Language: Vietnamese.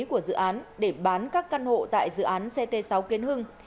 của dự án để bán các căn hộ tại dự án ct sáu kiến hưng